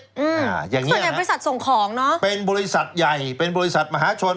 อืมอย่างงี้ส่วนใหญ่บริษัทส่งของเนอะเป็นบริษัทใหญ่เป็นบริษัทมหาชน